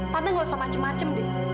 karena gak usah macem macem deh